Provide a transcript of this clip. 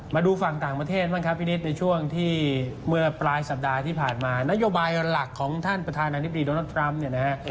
มาดูฝั่งต่างประเทศนะครับครับพี่นิดในช่วงที่เมื่อปลายสัปดาห์ที่ผ่านมานโยบายหลักของผู้ใช้โปรดงานประโยชน์ดรทรำเนี่ยนะครับ